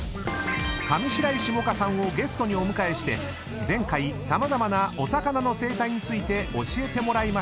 ［上白石萌歌さんをゲストにお迎えして前回様々なお魚の生態について教えてもらいましたが］